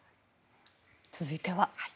続いては。